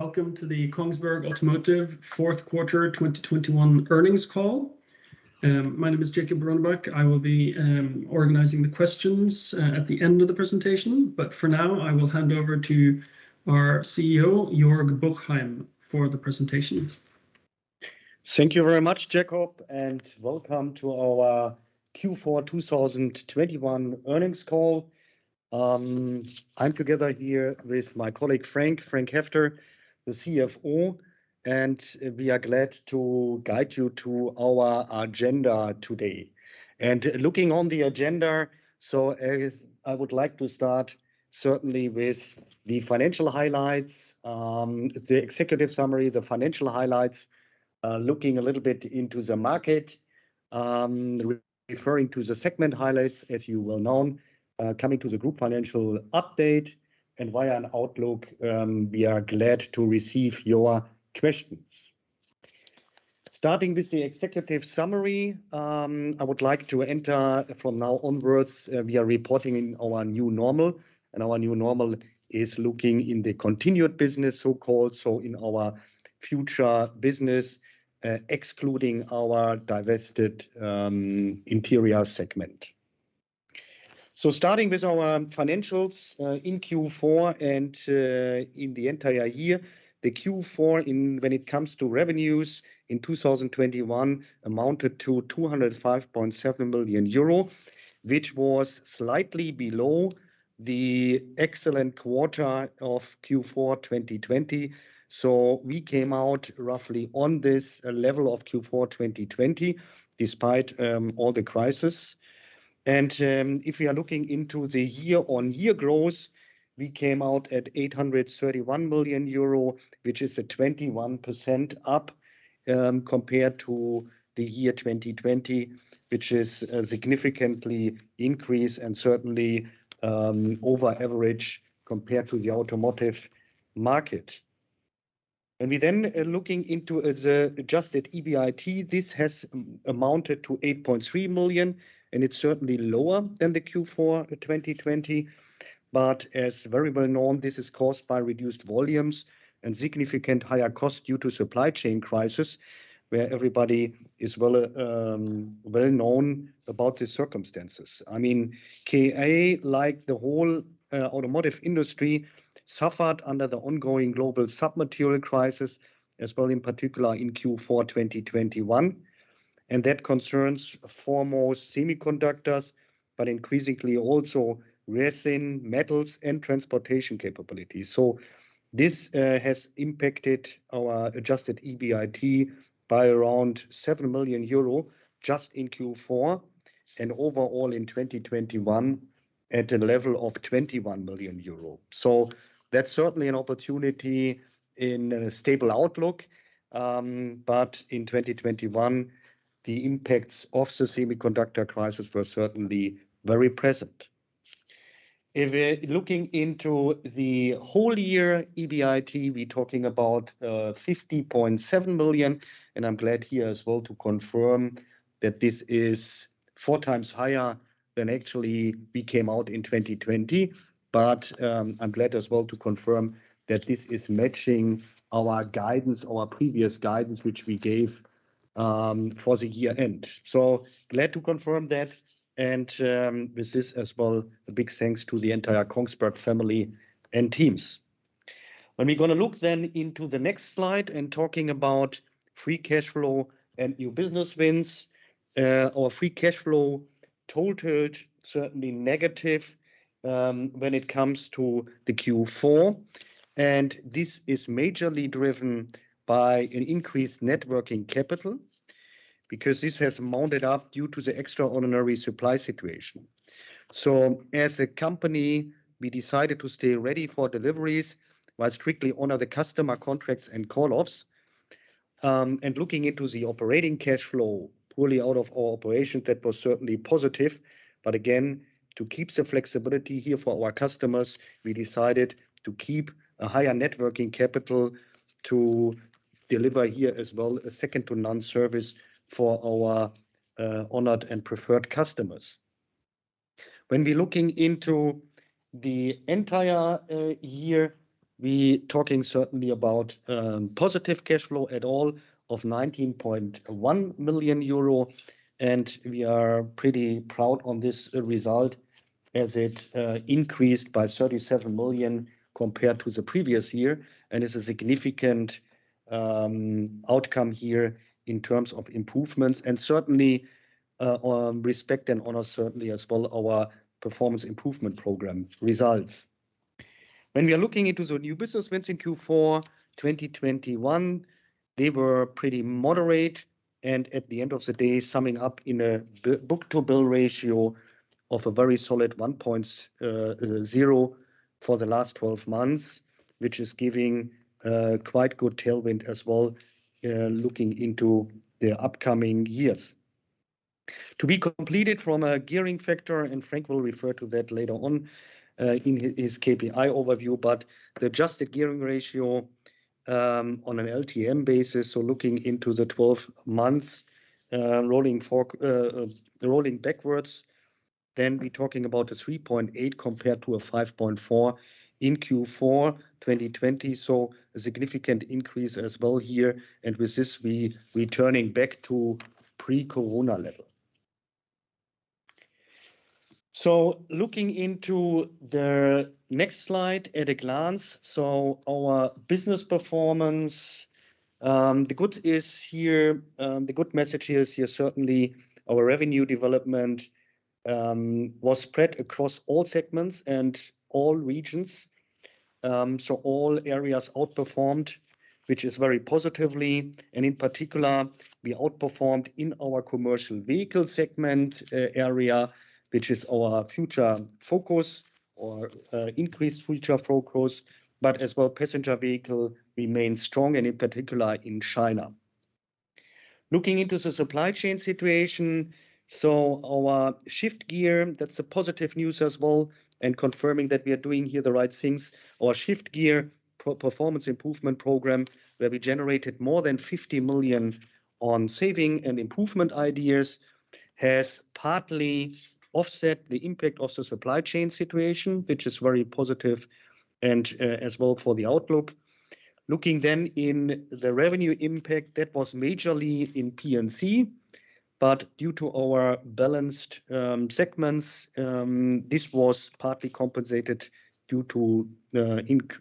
Welcome to the Kongsberg Automotive Fourth Quarter 2021 Earnings Call. My name is Jakob Bronebakk. I will be organizing the questions at the end of the presentation. For now, I will hand over to our CEO, Joerg Buchheim, for the presentations. Thank you very much, Jakob, and welcome to our Q4 2021 Earnings Call. I'm here together with my colleague, Frank Heffter, the CFO, and we are glad to guide you through our agenda today. Looking at the agenda, I would like to start with the financial highlights, the executive summary, looking a little bit into the market, referring to the segment highlights as you well know, coming to the group financial update and with an outlook. We are glad to receive your questions. Starting with the executive summary, I would like to state from now onwards we are reporting in our new normal, and our new normal is focusing on the continued business, so-called, in our future business, excluding our divested interior segment. Starting with our financials in Q4 and in the entire year. Q4, when it comes to revenues in 2021, amounted to 205.7 million euro, which was slightly below the excellent quarter of Q4 2020. We came out roughly on this level of Q4 2020 despite all the crisis. If we are looking into the year-on-year growth, we came out at 831 million euro, which is a 21% up compared to the year 2020, which is a significantly increase and certainly above average compared to the automotive market. We then are looking into the adjusted EBIT. This has amounted to 8.3 million, and it's certainly lower than the Q4 2020. As very well known, this is caused by reduced volumes and significantly higher costs due to supply chain crisis, where everybody is well known about the circumstances. I mean, KA, like the whole automotive industry, suffered under the ongoing global material crisis as well, in particular in Q4 2021, and that concerns foremost semiconductors, but increasingly also resin, metals, and transportation capabilities. This has impacted our adjusted EBIT by around 7 million euro just in Q4 and overall in 2021 at a level of 21 million euro. That's certainly an opportunity in a stable outlook. In 2021, the impacts of the semiconductor crisis were certainly very present. If we're looking into the whole year EBIT, we're talking about 50.7 million, and I'm glad here as well to confirm that this is four times higher than actually we came out in 2020. I'm glad as well to confirm that this is matching our guidance, our previous guidance, which we gave for the year-end. Glad to confirm that, and with this as well, a big thanks to the entire Kongsberg family and teams. When we're gonna look then into the next slide and talking about free cash flow and new business wins, our free cash flow totaled certainly negative when it comes to the Q4. This is majorly driven by an increased net working capital because this has mounted up due to the extraordinary supply situation. As a company, we decided to stay ready for deliveries while strictly honor the customer contracts and call-offs. Looking into the operating cash flow purely out of our operations, that was certainly positive. To keep the flexibility here for our customers, we decided to keep a higher net working capital to deliver here as well a second to none service for our honored and preferred customers. When we're looking into the entire year, we're talking certainly about positive cash flow of 19.1 million euro, and we are pretty proud of this result as it increased by 37 million compared to the previous year and is a significant outcome here in terms of improvements and certainly respect and honor certainly as well our performance improvement program results. When we are looking into the new business wins in Q4 2021, they were pretty moderate, and at the end of the day, summing up in a book-to-bill ratio of a very solid 1.0 for the last 12 months, which is giving quite good tailwind as well, looking into the upcoming years. To be completed from a gearing factor, and Frank will refer to that later on, in his KPI overview, but the adjusted gearing ratio, on an LTM basis, so looking into the 12 months, rolling backwards. We're talking about a 3.8 compared to a 5.4 in Q4 2020. A significant increase as well here. With this, we returning back to pre-corona level. Looking into the next slide at a glance. Our business performance, the good news here is certainly our revenue development was spread across all segments and all regions. All areas outperformed, which is very positive, and in particular we outperformed in our commercial vehicle segment, which is our increased future focus. As well, passenger vehicle remained strong and in particular in China. Looking into the supply chain situation, our Shift Gear, that's positive news as well, and confirming that we are doing here the right things. Our Shift Gear performance improvement program, where we generated more than 50 million in savings and improvement ideas, has partly offset the impact of the supply chain situation, which is very positive and as well for the outlook. Looking then in the revenue impact, that was majorly in P&C. Due to our balanced segments, this was partly compensated due to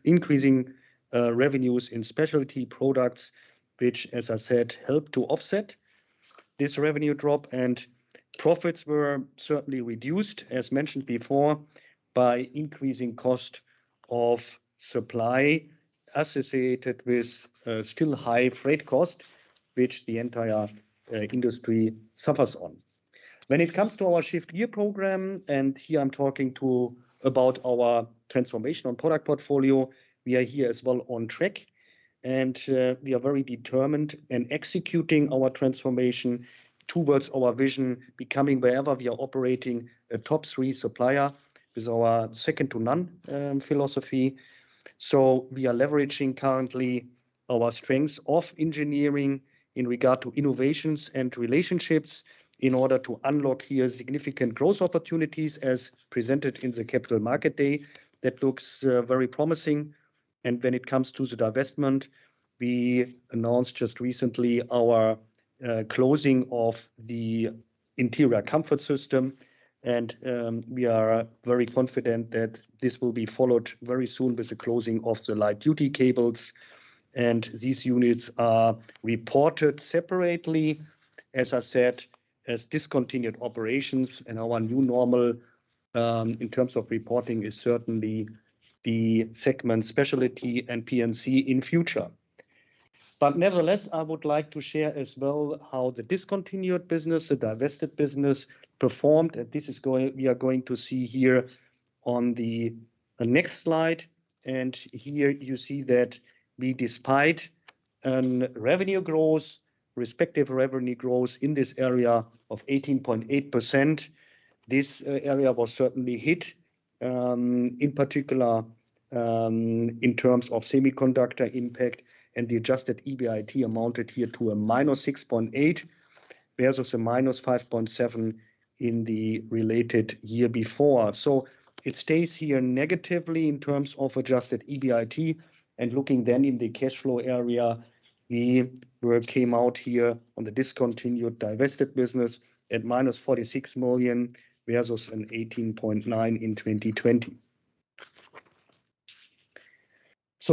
increasing revenues in Specialty Products, which as I said, helped to offset this revenue drop. Profits were certainly reduced, as mentioned before, by increasing cost of supply associated with still high freight cost, which the entire industry suffers on. When it comes to our Shift Gear program, and here I'm talking about our transformational product portfolio, we are here as well on track. We are very determined in executing our transformation towards our vision, becoming wherever we are operating a top three supplier with our second to none philosophy. We are leveraging currently our strengths of engineering in regard to innovations and relationships in order to unlock here significant growth opportunities as presented in the Capital Markets Day. That looks very promising. When it comes to the divestment, we announced just recently our closing of the Interior Comfort Systems. We are very confident that this will be followed very soon with the closing of the Light-Duty Cables. These units are reported separately, as I said, as discontinued operations in our new normal in terms of reporting is certainly the segment Specialty and P&C in future. Nevertheless, I would like to share as well how the discontinued business, the divested business performed. We are going to see here on the next slide. Here you see that we, despite a respective revenue growth in this area of 18.8%, this area was certainly hit in particular in terms of semiconductor impact. The adjusted EBIT amounted here to -6.8, whereas it's -5.7 in the related year before. It stays here negatively in terms of adjusted EBIT. Looking then in the cash flow area, we came out here on the discontinued divested business at -46 million, whereas it's 18.9 in 2020.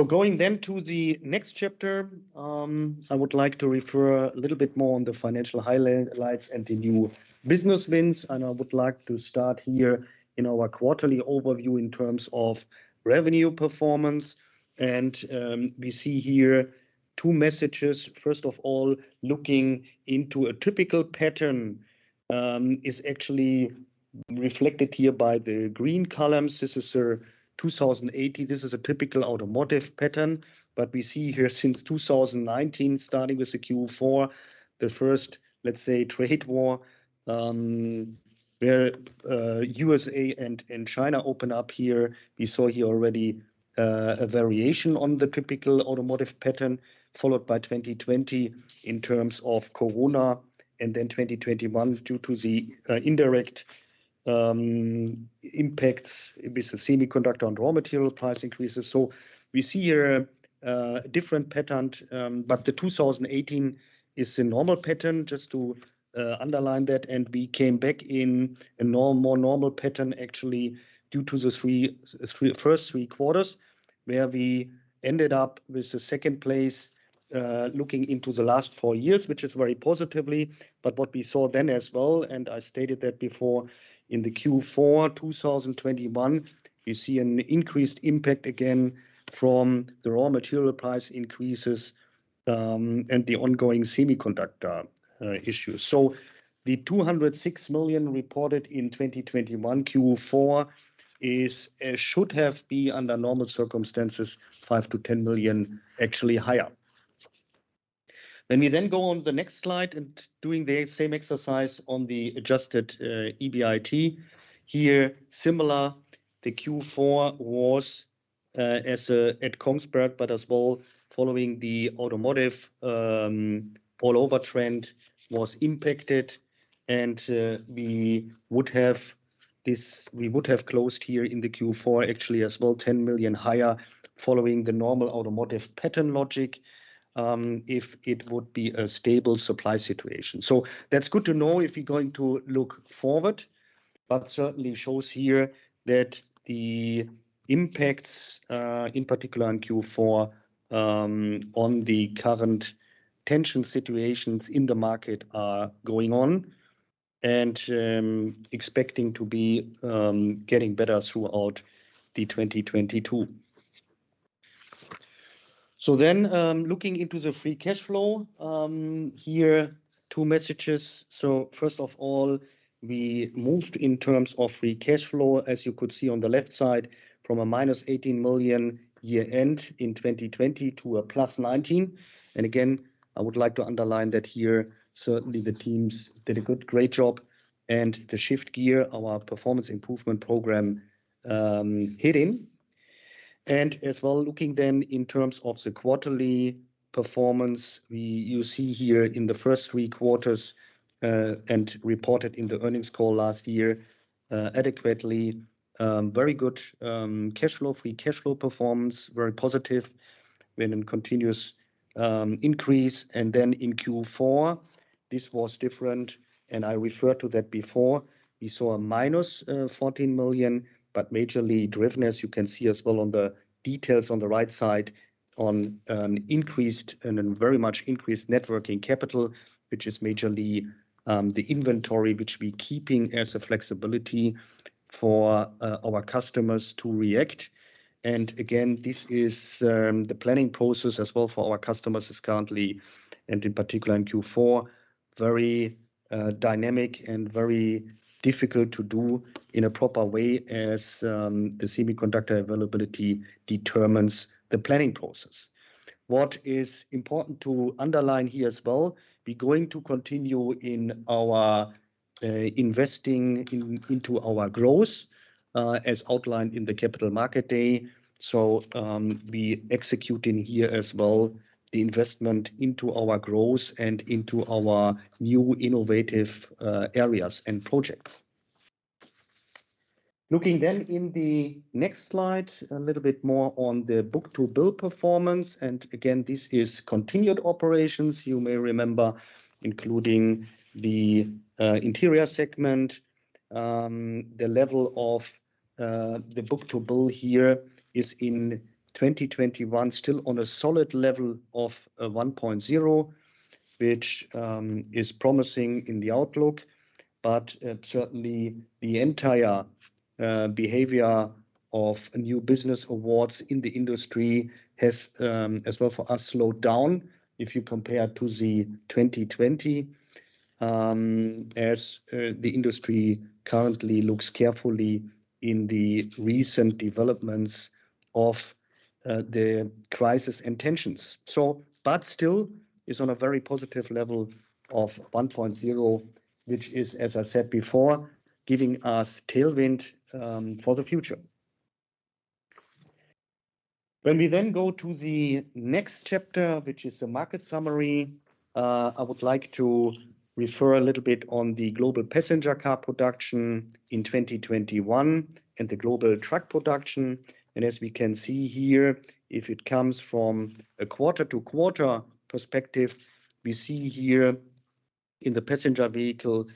Going then to the next chapter, I would like to refer a little bit more on the financial highlights and the new business wins. I would like to start here in our quarterly overview in terms of revenue performance. We see here two messages. First of all, looking into a typical pattern, is actually reflected here by the green columns. This is 2018. This is a typical automotive pattern. We see here since 2019, starting with the Q4, the first, let's say, trade war, where U.S. and China open up here. We saw here already a variation on the typical automotive pattern, followed by 2020 in terms of corona and then 2021 due to the indirect impacts with the semiconductor and raw material price increases. We see here a different pattern, but the 2018 is the normal pattern just to underline that. We came back in a more normal pattern actually due to the first three quarters, where we ended up with the second place looking into the last four years, which is very positively. What we saw then as well, and I stated that before in the Q4 2021, you see an increased impact again from the raw material price increases, and the ongoing semiconductor issues. So the 206 million reported in 2021 Q4 should have been under normal circumstances 5 million-10 million actually higher. Let me then go on to the next slide and doing the same exercise on the adjusted EBIT. Here, similar, the Q4 was, as at Kongsberg, but as well following the automotive all-over trend was impacted. We would have closed here in the Q4 actually as well 10 million higher following the normal automotive pattern logic, if it would be a stable supply situation. That's good to know if you're going to look forward, but certainly shows here that the impacts, in particular in Q4, on the current tension situations in the market are going on and, expecting to be, getting better throughout 2022. Looking into the free cash flow, here two messages. First of all, we moved in terms of free cash flow, as you could see on the left side, from -18 million year-end in 2020 to 19 million. Again, I would like to underline that here, certainly the teams did a great job. The Shift Gear, our performance improvement program, hit in. As well looking then in terms of the quarterly performance, you see here in the first three quarters, and reported in the earnings call last year, adequately, very good, cash flow, free cash flow performance, very positive. We're in continuous increase. In Q4, this was different, and I referred to that before. We saw a -14 million, but majorly driven, as you can see as well on the details on the right side, on an increased and a very much increased net working capital. Which is majorly, the inventory which we keeping as a flexibility for, our customers to react. This is the planning process as well for our customers, which is currently, and in particular in Q4, very dynamic and very difficult to do in a proper way, as the semiconductor availability determines the planning process. What is important to underline here as well, we're going to continue in our investing into our growth as outlined in the Capital Markets Day. We're executing here as well the investment into our growth and into our new innovative areas and projects. Looking then in the next slide, a little bit more on the book-to-bill performance. This is continued operations, you may remember, including the interior segment. The level of the book-to-bill here is in 2021 still on a solid level of 1.0, which is promising in the outlook. Certainly the entire behavior of new business awards in the industry has, as well for us, slowed down if you compare to 2020, as the industry currently looks carefully at the recent developments of the crisis and tensions. Still it is on a very positive level of 1.0, which is, as I said before, giving us tailwind for the future. When we then go to the next chapter, which is a market summary, I would like to refer a little bit on the global passenger car production in 2021 and the global truck production. As we can see here, if it comes from a quarter-to-quarter perspective, we see here in the passenger vehicle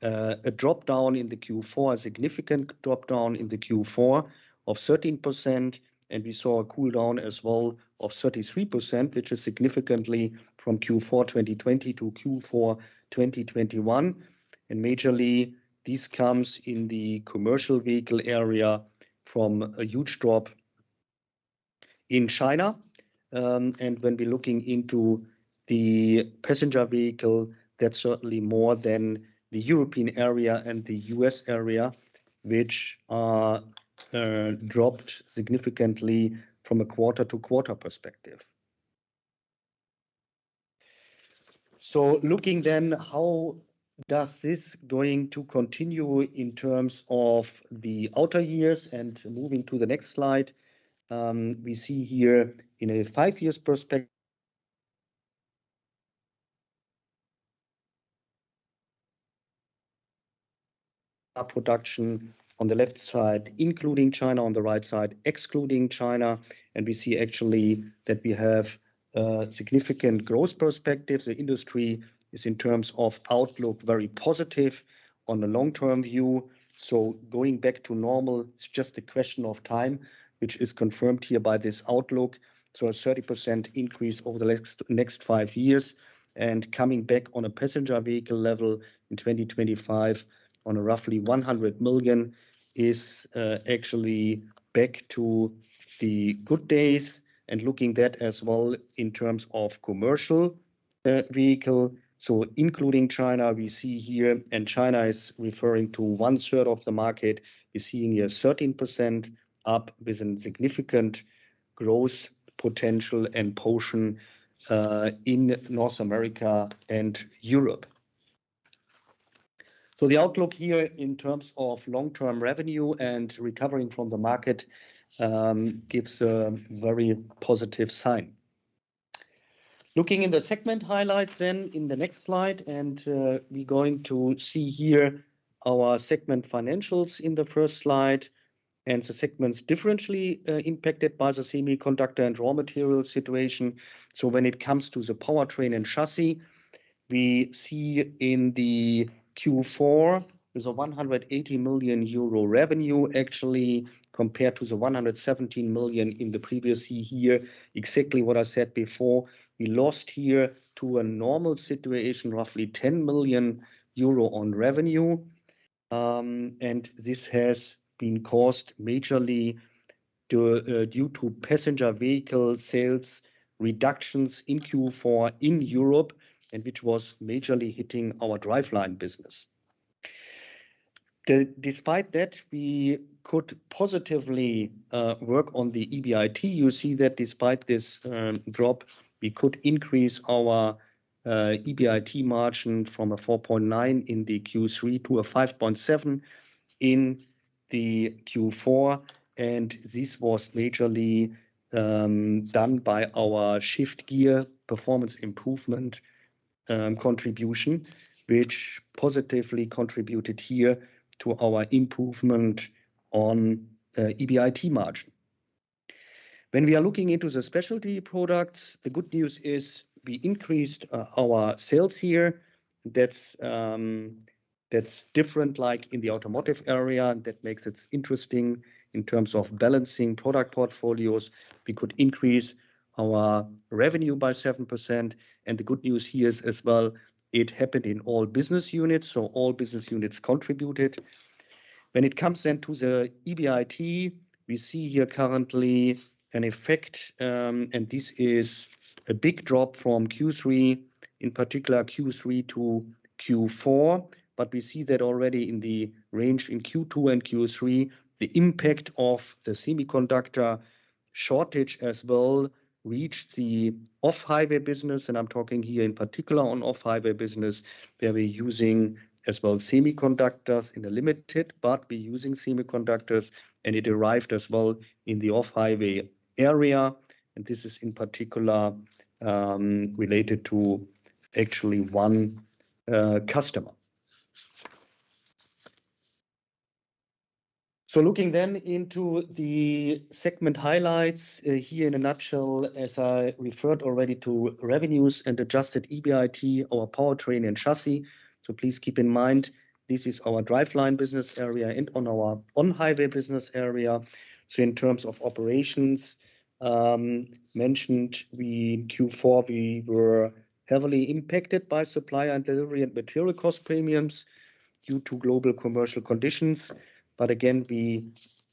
a drop down in the Q4, a significant drop down in the Q4 of 13%, and we saw a cool down as well of 33%, which is significantly from Q4 2020 to Q4 2021. Majorly, this comes in the commercial vehicle area from a huge drop in China. When we're looking into the passenger vehicle, that's certainly more than the European area and the U.S. area, which are dropped significantly from a quarter-to-quarter perspective. Looking then, how does this going to continue in terms of the outer years? Moving to the next slide, we see here in a five-year perspective production on the left side, including China on the right side, excluding China. We see actually that we have significant growth perspectives. The industry is in terms of outlook very positive on the long-term view. Going back to normal, it's just a question of time, which is confirmed here by this outlook. A 30% increase over the next five years and coming back on a passenger vehicle level in 2025 on a roughly 100 million is actually back to the good days. Looking at that as well in terms of commercial vehicle, including China, we see here, and China is referring to 1/3 of the market. We're seeing here 13% up with a significant growth potential and portion in North America and Europe. The outlook here in terms of long-term revenue and recovering from the market gives a very positive sign. Looking in the segment highlights then in the next slide, we're going to see here our segment financials in the first slide, and the segments differentially impacted by the semiconductor and raw material situation. When it comes to the Powertrain and Chassis, we see in the Q4, there's a 180 million euro revenue actually compared to the 117 million in the previous year. Exactly what I said before, we lost here to a normal situation, roughly 10 million euro on revenue. This has been caused majorly due to passenger vehicle sales reductions in Q4 in Europe, and which was majorly hitting our Driveline business. Despite that, we could positively work on the EBIT. You see that despite this drop, we could increase our EBIT margin from 4.9% in the Q3 to 5.7% in the Q4, and this was majorly done by our Shift Gear performance improvement contribution, which positively contributed here to our improvement on EBIT margin. When we are looking into the Specialty Products, the good news is we increased our sales here. That's different like in the automotive area, and that makes it interesting in terms of balancing product portfolios. We could increase our revenue by 7%, and the good news here is as well, it happened in all business units. All business units contributed. When it comes then to the EBIT, we see here currently an effect, and this is a big drop from Q3, in particular Q3 to Q4. We see that already in the range in Q2 and Q3, the impact of the semiconductor shortage as well reached the Off-Highway business. I'm talking here in particular on Off-Highway business, where we're using as well semiconductors in a limited, but we're using semiconductors, and it arrived as well in the Off-Highway area. This is in particular related to actually one customer. Looking then into the segment highlights here in a nutshell, as I referred already to revenues and adjusted EBIT or Powertrain & Chassis. Please keep in mind, this is our Driveline business area and our On-Highway business area. In terms of operations, in Q4, we were heavily impacted by supply and delivery and material cost premiums due to global commercial conditions. Again, we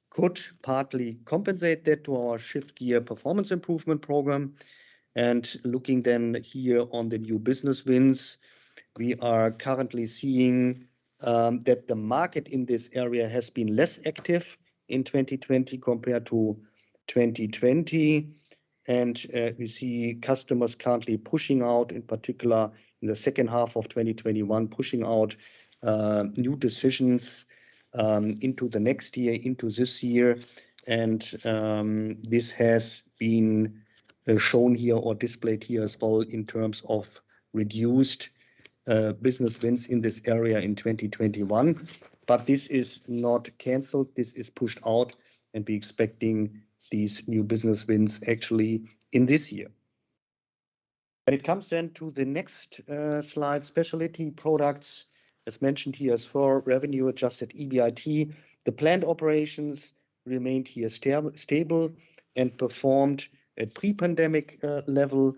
could partly compensate that to our Shift Gear performance improvement program. Looking then here on the new business wins, we are currently seeing that the market in this area has been less active in 2020 compared to 2020. We see customers currently pushing out, in particular in the second half of 2021, new decisions into the next year, into this year. This has been shown here or displayed here as well in terms of reduced business wins in this area in 2021. This is not canceled, this is pushed out, and we're expecting these new business wins actually in this year. When it comes then to the next slide, Specialty Products, as mentioned here as for revenue adjusted EBIT, the plant operations remained here stable and performed at pre-pandemic level.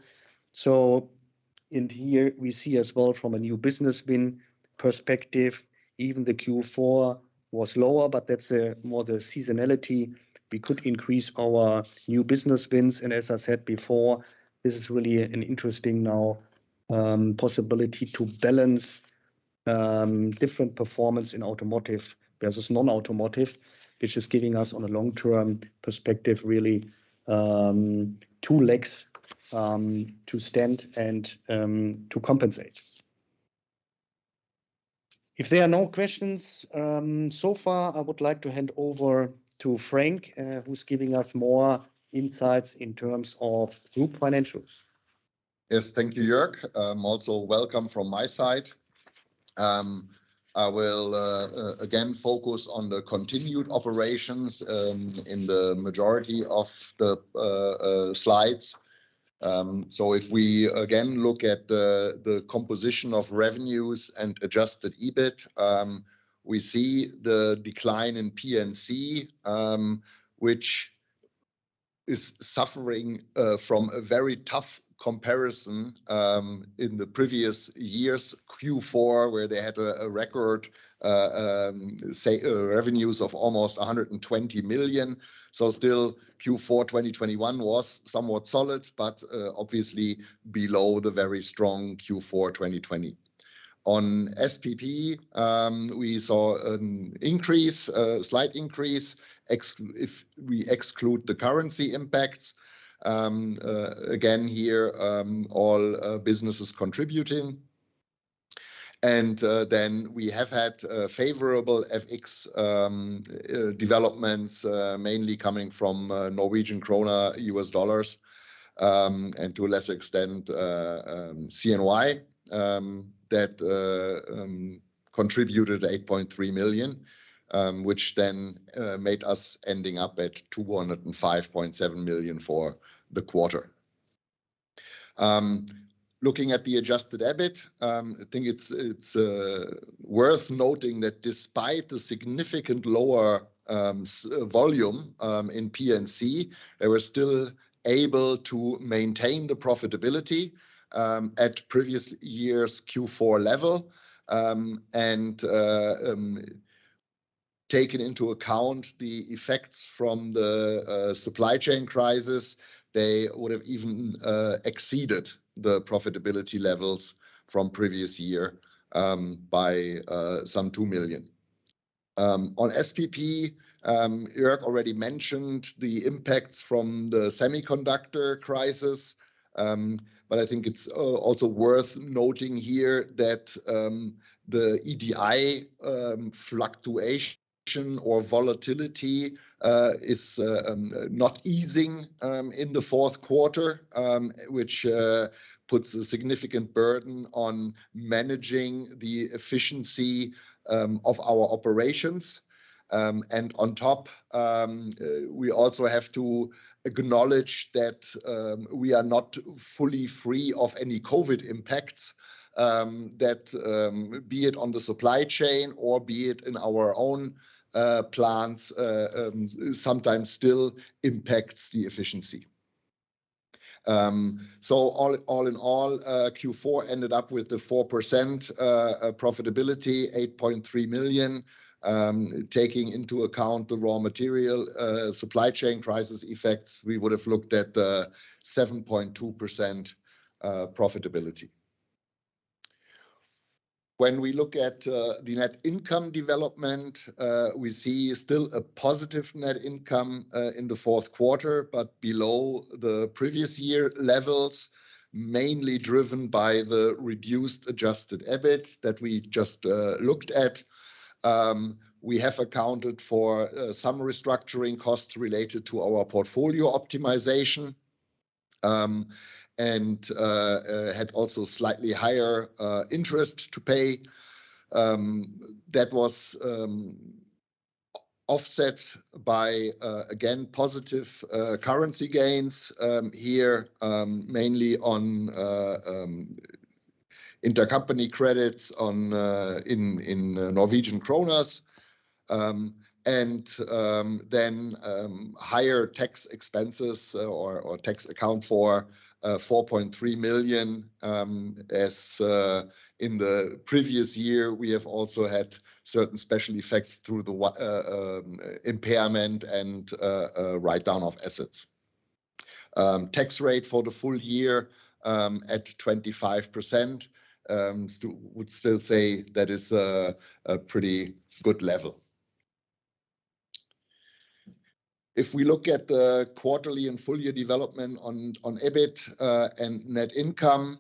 In here we see as well from a new business win perspective, even the Q4 was lower, but that's more the seasonality. We could increase our new business wins, and as I said before, this is really an interesting now possibility to balance different performance in automotive versus non-automotive, which is giving us on a long-term perspective really two legs to stand and to compensate. If there are no questions so far, I would like to hand over to Frank, who's giving us more insights in terms of group financials. Yes, thank you, Joerg. Also welcome from my side. I will again focus on the continued operations in the majority of the slides. If we again look at the composition of revenues and adjusted EBIT, we see the decline in P&C, which is suffering from a very tough comparison in the previous year's Q4, where they had a record revenues of almost 120 million. Still Q4 2021 was somewhat solid, but obviously below the very strong Q4 2020. On SPP, we saw an increase, a slight increase, if we exclude the currency impacts. Again, here, all businesses contributing. We have had favorable FX developments mainly coming from Norwegian krona, U.S. dollars, and to a lesser extent CNY that contributed 8.3 million, which then made us ending up at 205.7 million for the quarter. Looking at the adjusted EBIT, I think it's worth noting that despite the significantly lower volume in P&C, they were still able to maintain the profitability at previous year's Q4 level. Taking into account the effects from the supply chain crisis, they would have even exceeded the profitability levels from previous year by some 2 million. On SPP, Joerg already mentioned the impacts from the semiconductor crisis. I think it's also worth noting here that the EDI fluctuation or volatility is not easing in the fourth quarter, which puts a significant burden on managing the efficiency of our operations. On top, we also have to acknowledge that we are not fully free of any COVID impacts, that be it on the supply chain or be it in our own plants, sometimes still impacts the efficiency. All in all, Q4 ended up with a 4% profitability, 8.3 million. Taking into account the raw material supply chain crisis effects, we would have looked at 7.2% profitability. When we look at the net income development, we see still a positive net income in the fourth quarter, but below the previous year levels, mainly driven by the reduced adjusted EBIT that we just looked at. We have accounted for some restructuring costs related to our portfolio optimization, and had also slightly higher interest to pay. That was offset by again positive currency gains here mainly on intercompany credits in Norwegian kronas. Then higher tax expenses or tax account for 4.3 million as in the previous year, we have also had certain special effects through the impairment and write-down of assets. Tax rate for the full year at 25% would still say that is a pretty good level. If we look at the quarterly and full year development on EBIT and net income,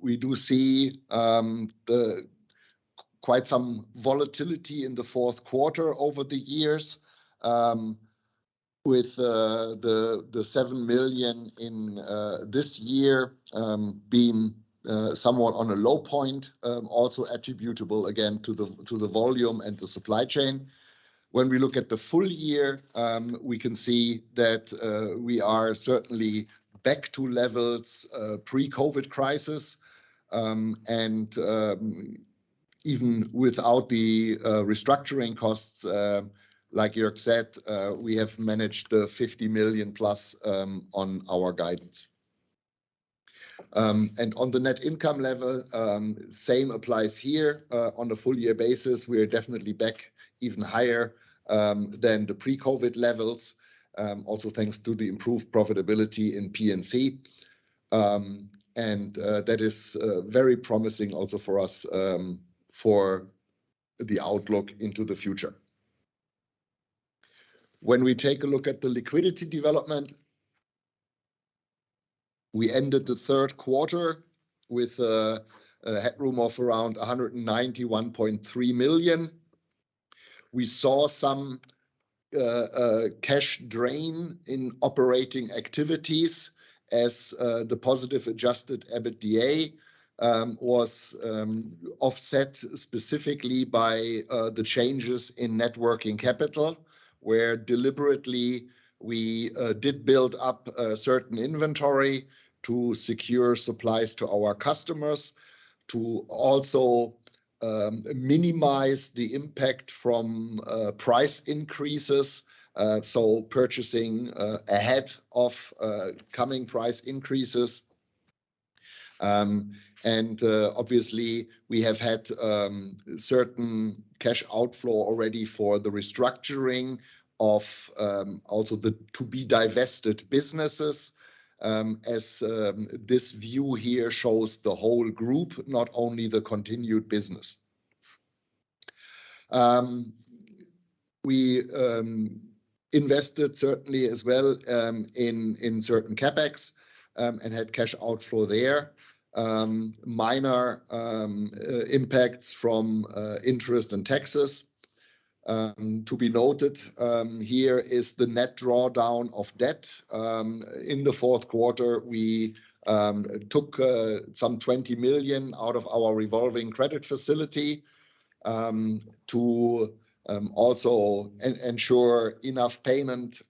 we do see quite some volatility in the fourth quarter over the years, with the 7 million in this year being somewhat on a low point, also attributable again to the volume and the supply chain. When we look at the full year, we can see that we are certainly back to levels pre-COVID crisis. Even without the restructuring costs, like Joerg said, we have managed the 50 million+ on our guidance. On the net income level, same applies here. On a full year basis, we are definitely back even higher than the pre-COVID levels, also thanks to the improved profitability in P&C. That is very promising also for us for the outlook into the future. When we take a look at the liquidity development, we ended the third quarter with a headroom of around 191.3 million. We saw some cash drain in operating activities as the positive adjusted EBITDA was offset specifically by the changes in net working capital, where deliberately we did build up certain inventory to secure supplies to our customers to also minimize the impact from price increases, so purchasing ahead of coming price increases. Obviously, we have had certain cash outflow already for the restructuring of also the to-be-divested businesses, as this view here shows the whole group, not only the continued business. We invested certainly as well in certain CapEx and had cash outflow there. Minor impacts from interest and taxes. To be noted here is the net drawdown of debt. In the fourth quarter, we took some 20 million out of our revolving credit facility to also ensure enough payment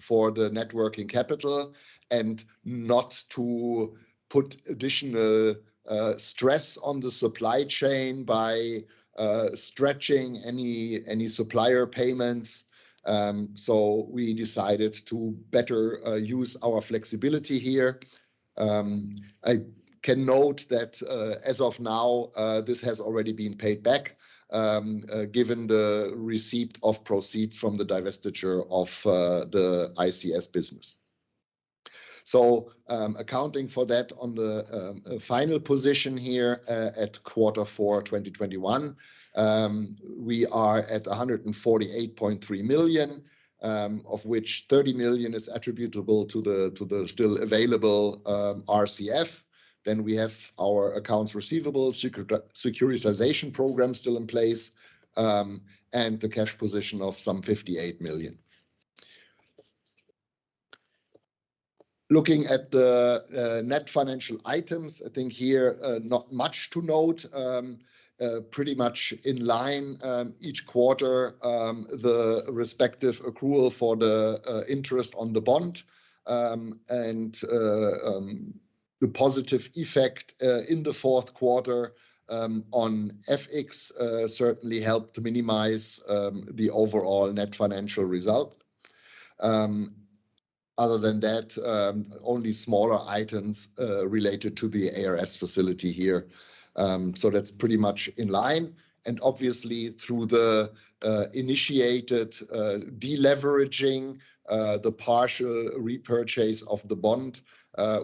for the net working capital and not to put additional stress on the supply chain by stretching any supplier payments. We decided to better use our flexibility here. I can note that, as of now, this has already been paid back, given the receipt of proceeds from the divestiture of the ICS business. Accounting for that on the final position here, at quarter four, 2021, we are at 148.3 million, of which 30 million is attributable to the still available RCF. Then we have our accounts receivable securitization program still in place, and the cash position of some 58 million. Looking at the net financial items, I think here, not much to note. Pretty much in line each quarter, the respective accrual for the interest on the bond. The positive effect in the fourth quarter on FX certainly helped minimize the overall net financial result. Other than that, only smaller items related to the ARS facility here. So that's pretty much in line. Obviously, through the initiated de-leveraging, the partial repurchase of the bond,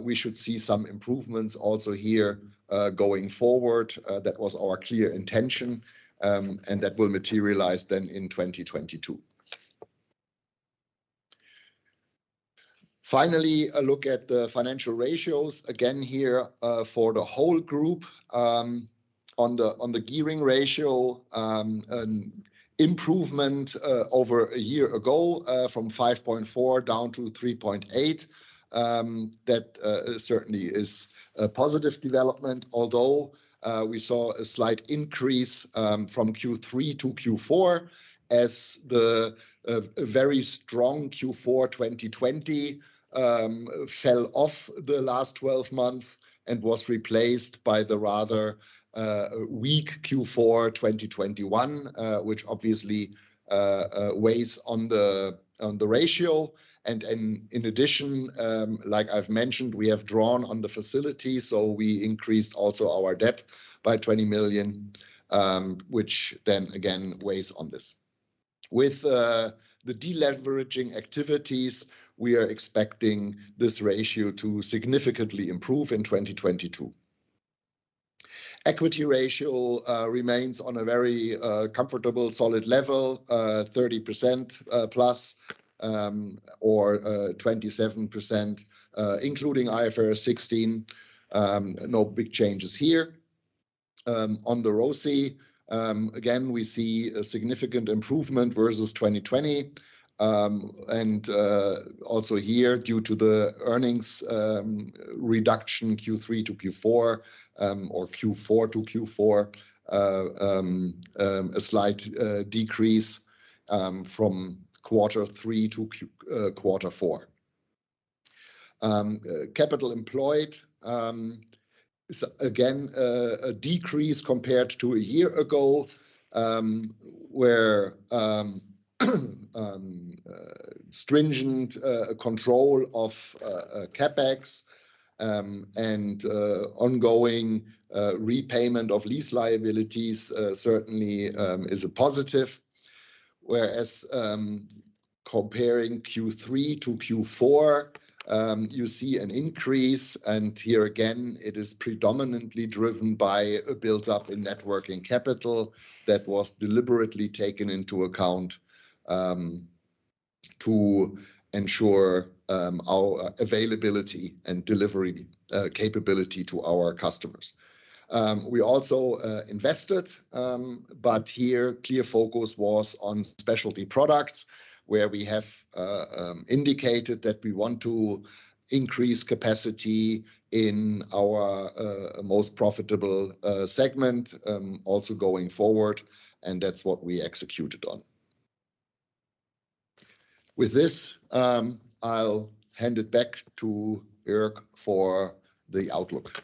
we should see some improvements also here going forward. That was our clear intention, and that will materialize then in 2022. Finally, a look at the financial ratios. Again here, for the whole group, on the gearing ratio, an improvement over a year ago, from 5.4 down to 3.8. That certainly is a positive development, although we saw a slight increase from Q3 to Q4, as the very strong Q4 2020 fell off the last 12 months and was replaced by the rather weak Q4 2021, which obviously weighs on the ratio. In addition, like I've mentioned, we have drawn on the facility, so we increased also our debt by 20 million, which then again weighs on this. With the de-leveraging activities, we are expecting this ratio to significantly improve in 2022. Equity ratio remains on a very comfortable, solid level, 30%+, or 27% including IFRS 16. No big changes here. On the ROCE, again, we see a significant improvement versus 2020. Also here, due to the earnings reduction Q3 to Q4 or Q4 to Q4, a slight decrease from quarter three to quarter four. Capital employed again a decrease compared to a year ago, where stringent control of CapEx and ongoing repayment of lease liabilities certainly is a positive. Whereas comparing Q3 to Q4, you see an increase. Here again, it is predominantly driven by a build-up in net working capital that was deliberately taken into account to ensure our availability and delivery capability to our customers. We also invested, but here, clear focus was on Specialty Products, where we have indicated that we want to increase capacity in our most profitable segment, also going forward, and that's what we executed on. With this, I'll hand it back to Joerg for the outlook.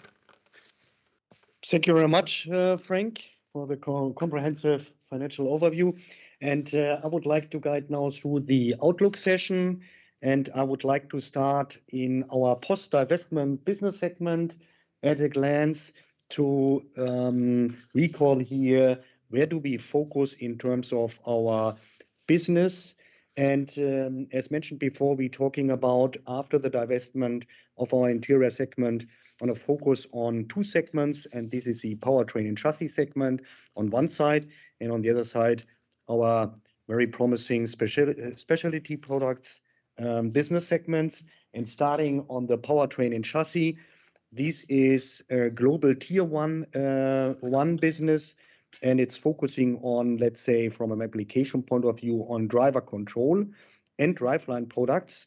Thank you very much, Frank, for the comprehensive financial overview. I would like to guide you now through the outlook session, and I would like to start with our post-divestment business segment at a glance to recall here where we focus in terms of our business. As mentioned before, we're talking about after the divestment of our interior segment with a focus on two segments, and this is the Powertrain & Chassis segment on one side, and on the other side, our very promising Specialty Products business segment, and starting on the Powertrain & Chassis. This is a global Tier 1 business and it's focusing on, let's say, from an application point of view, on Driver Control and Driveline products,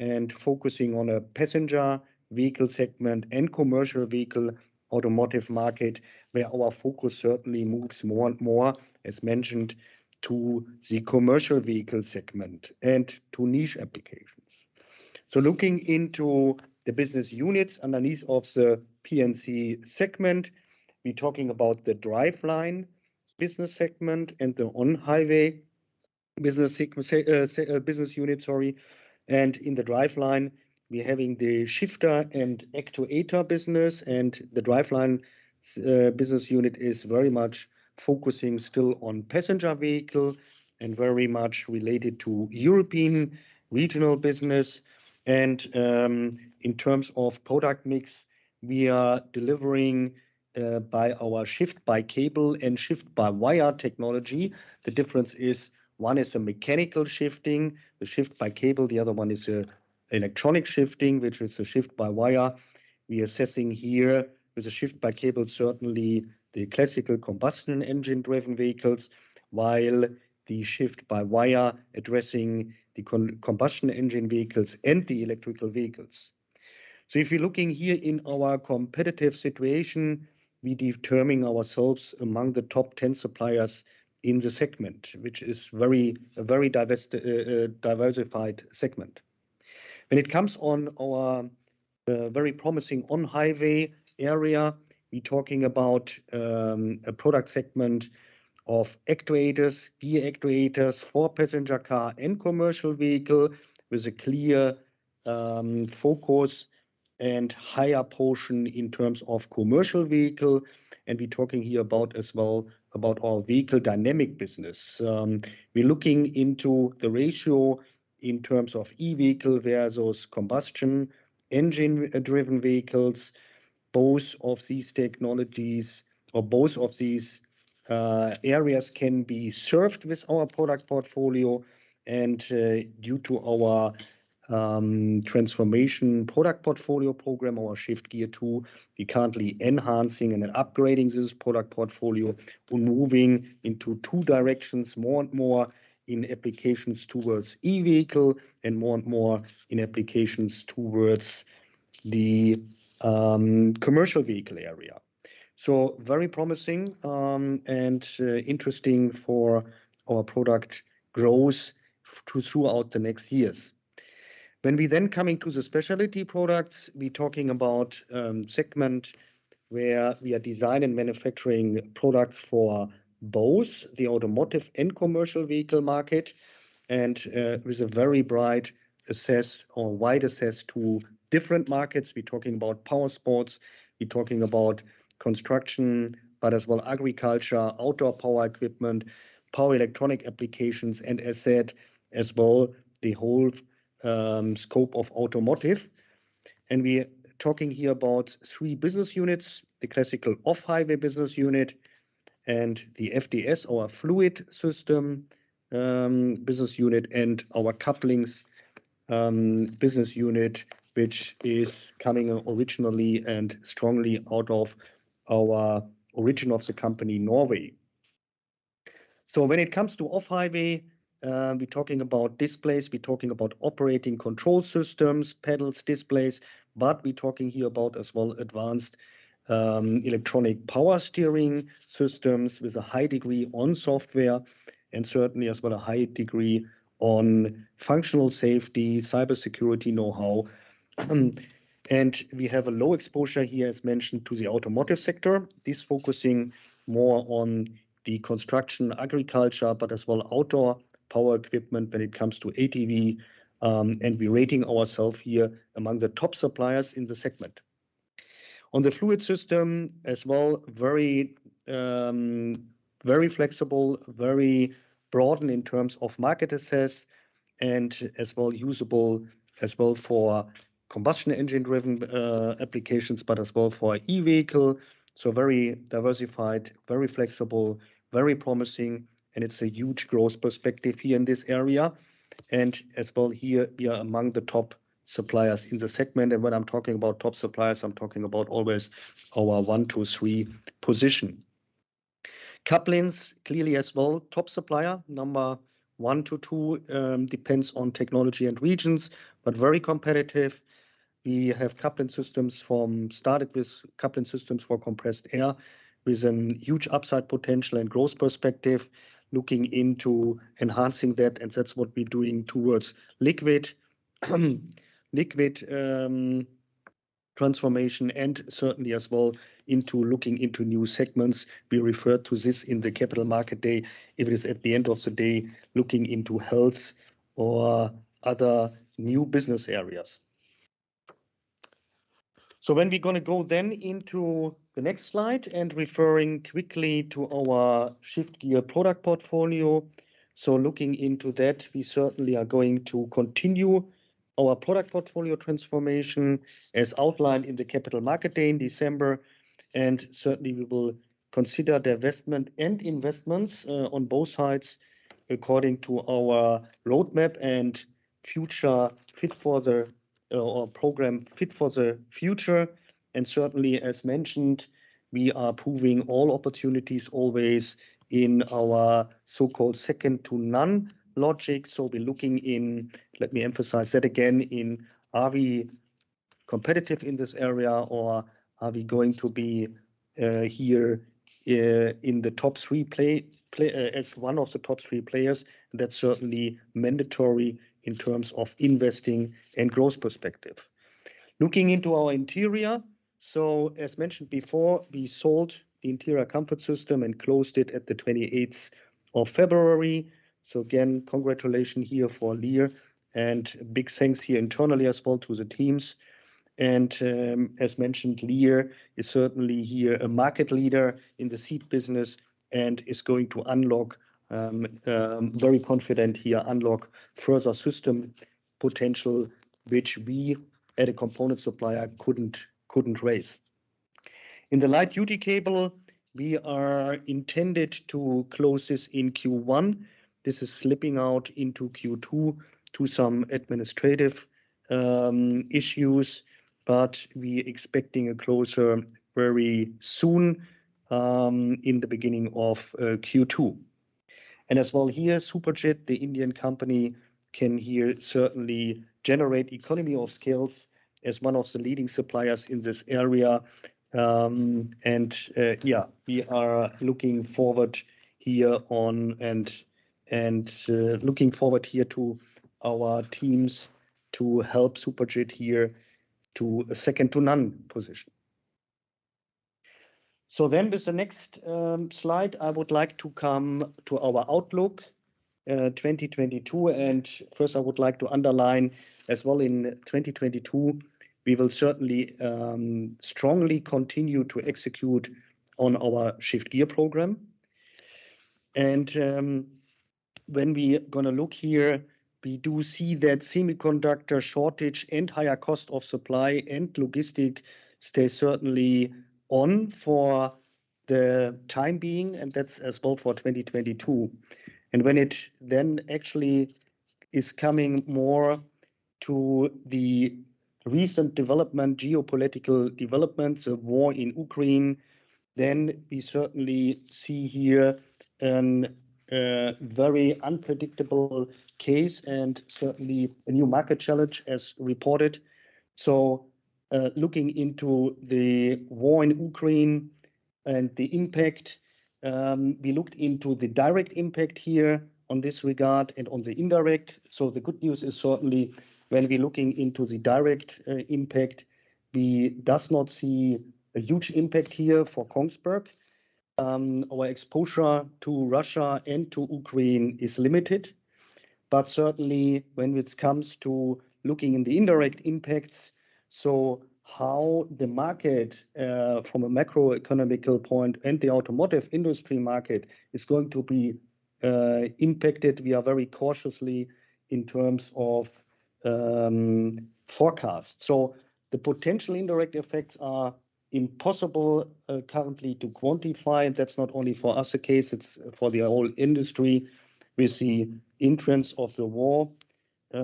and focusing on a passenger vehicle segment and commercial vehicle automotive market, where our focus certainly moves more and more, as mentioned, to the commercial vehicle segment and to niche applications. Looking into the business units underneath of the P&C segment, we're talking about the Driveline business segment and the On-Highway business unit, sorry. In the Driveline, we're having the shifter and actuator business, and the Driveline business unit is very much focusing still on passenger vehicles and very much related to European regional business. In terms of product mix, we are delivering by our shift-by-cable and shift-by-wire technology. The difference is one is a mechanical shifting, the shift-by-cable, the other one is an electronic shifting, which is a shift-by-wire. We're assessing here with a shift-by-cable, certainly the classical combustion engine-driven vehicles, while the shift-by-wire addresses the combustion engine vehicles and the electric vehicles. If you're looking here in our competitive situation, we determine ourselves among the top 10 suppliers in the segment, which is a very diversified segment. When it comes to our very promising On-Highway area, we're talking about a product segment of actuators, gear actuators for passenger car and commercial vehicle with a clear focus and higher portion in terms of commercial vehicle. We're talking here about as well our Vehicle Dynamics business. We're looking into the ratio in terms of e-vehicle versus combustion engine-driven vehicles. Both of these technologies or both of these areas can be served with our product portfolio. Due to our transformation product portfolio program or Shift Gear tool, we currently enhancing and upgrading this product portfolio. We're moving into two directions, more and more in applications towards e-vehicle and more and more in applications towards the commercial vehicle area. Very promising and interesting for our product growth throughout the next years. When we coming to the Specialty Products, we're talking about segment where we are designing and manufacturing products for both the automotive and commercial vehicle market, and with a very broad access or wide access to different markets. We're talking about powersports, we're talking about construction, but as well agriculture, outdoor power equipment, power electronics applications, and as said, as well, the whole scope of automotive. We're talking here about three business units, the classical Off-Highway business unit and the FTS or Fluid Systems business unit, and our Couplings business unit, which is coming originally and strongly out of our original of the company, Norway. When it comes to Off-Highway, we're talking about displays, we're talking about operator control systems, pedals, displays, but we're talking here about as well advanced Electronic Power Steering systems with a high degree on software and certainly as well a high degree on functional safety, cybersecurity know-how. We have a low exposure here, as mentioned, to the automotive sector, focusing more on the construction, agriculture, but as well outdoor power equipment when it comes to ATV, and we're rating ourselves here among the top suppliers in the segment. On the Fluid Systems as well, very flexible, very broad in terms of market access and as well usable as well for combustion engine-driven applications, but as well for e-vehicle. Very diversified, very flexible, very promising, and it's a huge growth perspective here in this area. As well here, we are among the top suppliers in the segment. When I'm talking about top suppliers, I'm talking about always our one, two, three position. Couplings, clearly as well, top supplier, number one to two, depends on technology and regions, but very competitive. We have Coupling Systems, started with Coupling Systems for compressed air with a huge upside potential and growth perspective, looking into enhancing that, and that's what we're doing towards liquid transformation and certainly as well into looking into new segments. We refer to this in the Capital Markets Day. It is at the end of the day, looking into health or other new business areas. When we gonna go then into the next slide and referring quickly to our Shift Gear product portfolio. Looking into that, we certainly are going to continue our product portfolio transformation as outlined in the Capital Markets Day in December, and certainly we will consider the investment and investments on both sides according to our roadmap and our fit for the future program. Certainly, as mentioned, we are approving all opportunities always in our so-called second to none logic. We're looking in. Let me emphasize that again. Are we competitive in this area or are we going to be here in the top three as one of the top three players. That's certainly mandatory in terms of investing and growth perspective. Looking into our interior. As mentioned before, we sold the Interior Comfort Systems and closed it at the 28th of February. Again, congratulations here for Lear and big thanks here internally as well to the teams. As mentioned, Lear is certainly here a market leader in the seat business and is going to unlock very confident here unlock further system potential, which we as a component supplier couldn't raise. In the Light Duty Cables, we intend to close this in Q1. This is slipping out into Q2 due to some administrative issues, but we expect a close here very soon in the beginning of Q2. As well here, Suprajit, the Indian company, can here certainly generate economy of scales as one of the leading suppliers in this area. We are looking forward to our teams to help Suprajit to a second to none position. With the next slide, I would like to come to our outlook, 2022. First I would like to underline as well in 2022, we will certainly strongly continue to execute on our Shift Gear program. When we gonna look here, we do see that semiconductor shortage and higher costs of supply and logistics stay certainly on for the time being, and that's as well for 2022. When it actually is coming more to the recent development, geopolitical developments, the war in Ukraine, then we certainly see here a very unpredictable case and certainly a new market challenge as reported. Looking into the war in Ukraine and the impact, we looked into the direct impact here in this regard and on the indirect. The good news is certainly when we're looking into the direct impact, we do not see a huge impact here for Kongsberg. Our exposure to Russia and to Ukraine is limited. Certainly when it comes to looking into the indirect impacts, how the market from a macroeconomic point and the automotive industry market is going to be impacted, we are very cautious in terms of forecast. The potential indirect effects are impossible currently to quantify. That's not only the case for us, it's for the whole industry. We see entrance of the war at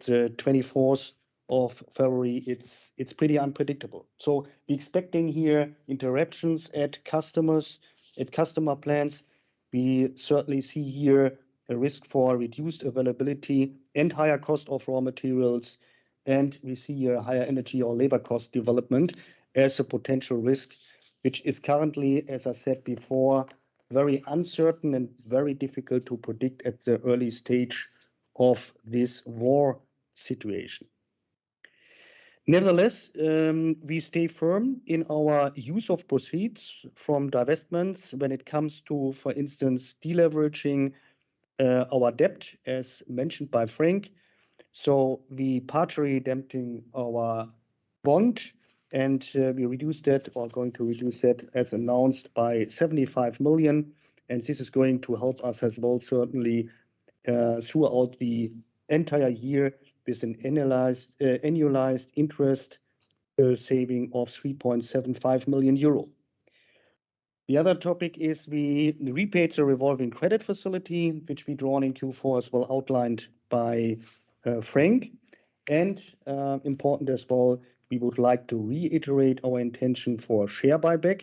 the 24th of February. It's pretty unpredictable. We're expecting here interruptions at customers, at customer plants. We certainly see here a risk for reduced availability and higher cost of raw materials, and we see here higher energy or labor cost development as a potential risk, which is currently, as I said before, very uncertain and very difficult to predict at the early stage of this war situation. Nevertheless, we stay firm in our use of proceeds from divestments when it comes to, for instance, deleveraging our debt, as mentioned by Frank. We partly redeeming our bond, and we reduce that or going to reduce that as announced by 75 million, and this is going to help us as well, certainly, throughout the entire year with an annualized interest saving of 3.75 million euro. The other topic is we repaid the revolving credit facility, which we drawn in Q4, as well outlined by Frank. Important as well, we would like to reiterate our intention for a share buyback,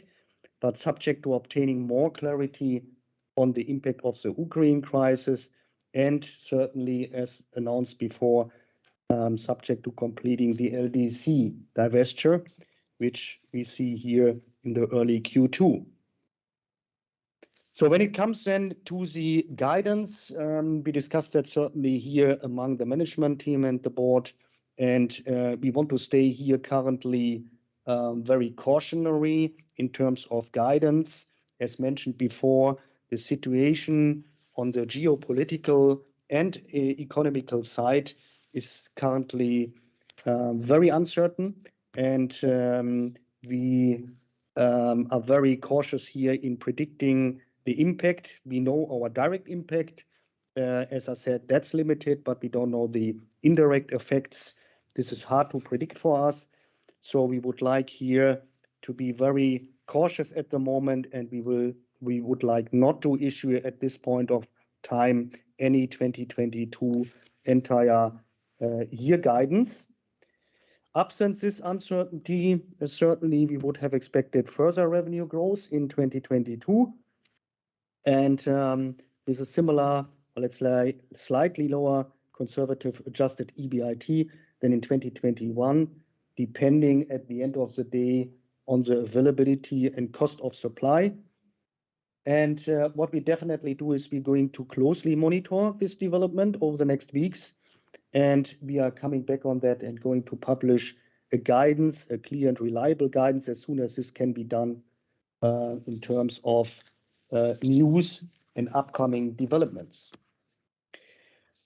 but subject to obtaining more clarity on the impact of the Ukraine crisis and certainly, as announced before, subject to completing the LDC divestiture, which we see here in the early Q2. When it comes then to the guidance, we discussed that certainly here among the management team and the board, and we want to stay here currently very cautionary in terms of guidance. As mentioned before, the situation on the geopolitical and economical side is currently very uncertain and we are very cautious here in predicting the impact. We know our direct impact. As I said, that's limited, but we don't know the indirect effects. This is hard to predict for us. We would like here to be very cautious at the moment, and we would like not to issue at this point in time any 2022 full-year guidance. Absent this uncertainty, certainly we would have expected further revenue growth in 2022 and with a similar, let's say, slightly lower conservative adjusted EBIT than in 2021, depending at the end of the day on the availability and cost of supply. What we definitely do is we're going to closely monitor this development over the next weeks, and we are coming back on that and going to publish a guidance, a clear and reliable guidance, as soon as this can be done in terms of news and upcoming developments.